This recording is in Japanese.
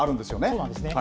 そうなんですね。